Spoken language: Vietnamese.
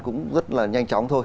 cũng rất là nhanh chóng thôi